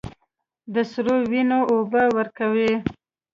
د سرو، وینو اوبه ورکوي